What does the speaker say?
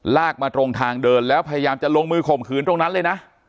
ลากมาตรงทางเดินแล้วพยายามจะลงมือข่มขืนตรงนั้นเลยนะ